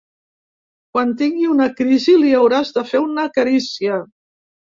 ‘Quan tingui una crisi, li hauràs de fer una carícia'.